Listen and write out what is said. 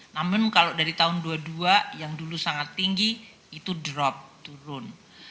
namun kalau dari tahun dua puluh dua yang dulu sangat tinggi itu drop turun